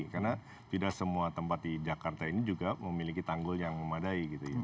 karena tidak semua tempat di jakarta ini juga memiliki tanggul yang memadai gitu ya